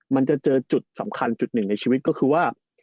มันจะเจอจุดสำคัญจุดหนึ่งในชีวิตก็คือว่า